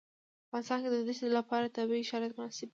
په افغانستان کې د دښتې لپاره طبیعي شرایط مناسب دي.